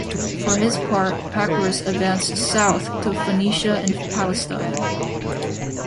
For his part, Pacorus advanced south to Phoenicia and Palestine.